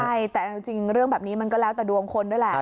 ใช่แต่จริงเรื่องแบบนี้มันก็แล้วแต่ดวงคนด้วยแหละ